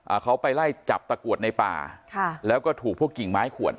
เขาไปไล่จับตะกรวดในป่าค่ะแล้วก็ถูกพวกกิ่งไม้ขวน